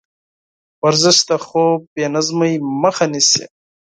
ورزش د خوب بېنظمۍ مخه نیسي.